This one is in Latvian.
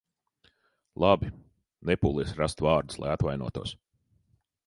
Labi, nepūlies rast vārdus, lai atvainotos.